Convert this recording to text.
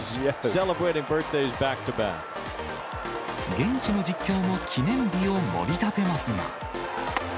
現地の実況も記念日をもり立てますが。